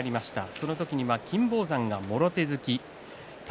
その時には金峰山がもろ手突き宝